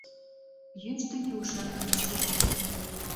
Йӱштӧ юж эркын шула.